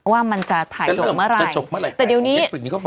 ว่ามันจะถ่ายจบเมื่อไรจะเริ่มจะจบเมื่อไร